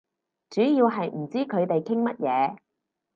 主要係唔知佢哋傾乜嘢